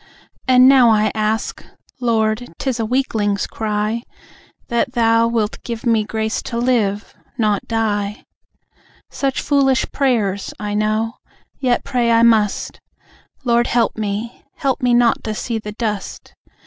And now I ask (Lord, 'tis a weakling's cry) That Thou wilt give me grace to live, not die. Such foolish prayers! I know. Yet pray I must. Lord help me help me not to see the dust!